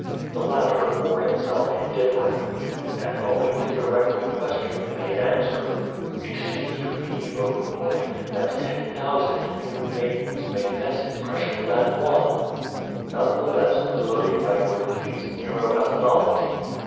The latter bore himself indifferently, and only when directly questioned made answer: "It seems to me, oh, Lord, that ten thousand nude maidens make less impression than one/^ None the less the floating banquet pleased Nero as a nov elty.